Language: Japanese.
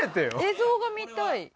映像が見たい。